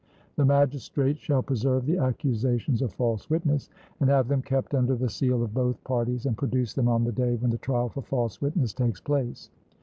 The magistrates shall preserve the accusations of false witness, and have them kept under the seal of both parties, and produce them on the day when the trial for false witness takes place.